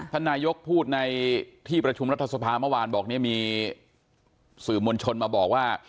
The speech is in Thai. ท่านนายกพูดในที่ประชุมรัฐสภาเมื่อวานบอกเนี่ยมีสื่อมวลชนมาบอกว่า